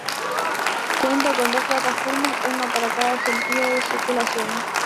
Cuenta con dos plataformas, una para cada sentido de circulación.